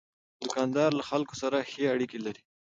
دوکاندار له خلکو سره ښې اړیکې لري.